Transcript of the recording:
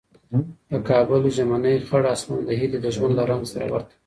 د کابل ژمنی خړ اسمان د هیلې د ژوند له رنګ سره ورته و.